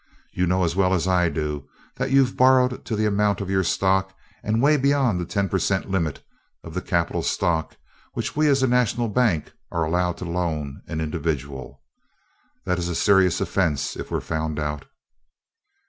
You know as well as I do that you've borrowed to the amount of your stock, and way beyond the ten per cent limit of the capital stock which we as a national bank are allowed to loan an individual that it's a serious offense if we're found out."